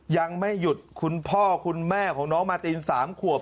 ยังไม่หยุดคุณพ่อคุณแม่ของน้องมาติน๓ขวบ